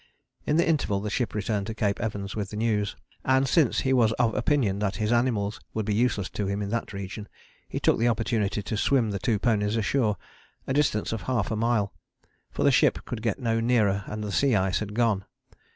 In the interval the ship returned to Cape Evans with the news, and since he was of opinion that his animals would be useless to him in that region he took the opportunity to swim the two ponies ashore, a distance of half a mile, for the ship could get no nearer and the sea ice had gone.